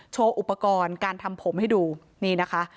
โชว์อุปกรณ์การทำผมให้ดูนี่นะคะ